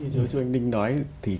như chú anh ninh nói